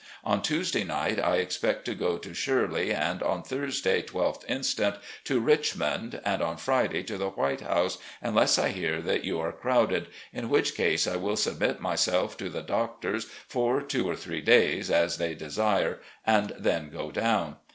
On Tuesday night I expect to go to ' Shirley,' and on Thursday, 12th inst., to Richmond, and on Friday to the ' White House,' unless I hear that you are crowded, in which case I will submit myself to the doctors for two or three days, as they desire, and then go down.